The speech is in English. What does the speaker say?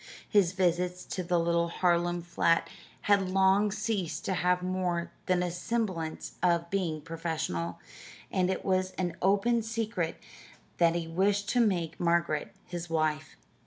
His visits to the little Harlem flat had long ceased to have more than a semblance of being professional, and it was an open secret that he wished to make Margaret his wife.